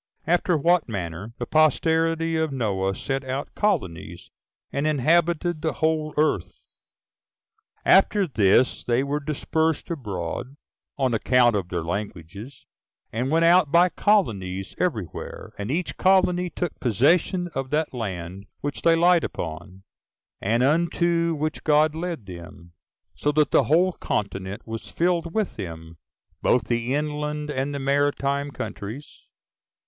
After What Manner The Posterity Of Noah Sent Out Colonies, And Inhabited The Whole Earth. 1. After this they were dispersed abroad, on account of their languages, and went out by colonies every where; and each colony took possession of that land which they light upon, and unto which God led them; so that the whole continent was filled with them, both the inland and the maritime countries.